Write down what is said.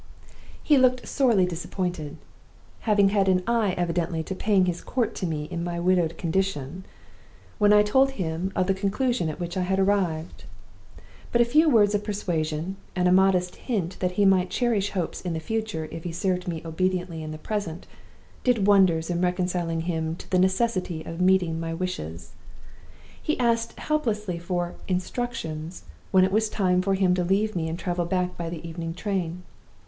"He looked sorely disappointed (having had an eye evidently to paying his court to me in my widowed condition!) when I told him of the conclusion at which I had arrived. But a few words of persuasion, and a modest hint that he might cherish hopes in the future if he served me obediently in the present, did wonders in reconciling him to the necessity of meeting my wishes. He asked helplessly for 'instructions' when it was time for him to leave me and travel back by the evening train.